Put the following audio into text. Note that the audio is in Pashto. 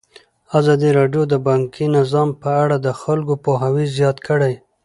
ازادي راډیو د بانکي نظام په اړه د خلکو پوهاوی زیات کړی.